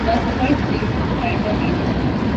Philosophers dreamed of a brighter age.